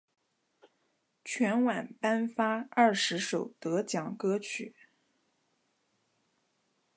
全晚颁发二十首得奖歌曲。